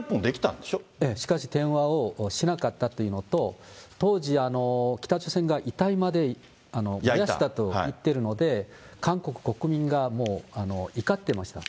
しかし、電話をしなかったというのと、当時、北朝鮮が遺体まで燃やしたと言ってるので、韓国国民がもう怒ってました。